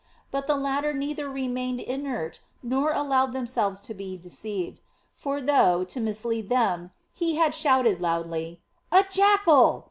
But the latter neither remained inert nor allowed themselves to be deceived; for though, to mislead them, he had shouted loudly: "A jackal!"